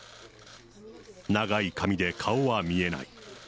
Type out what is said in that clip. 長い髪で顔が見えない。